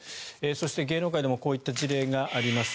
そして、芸能界でもこういった事例があります。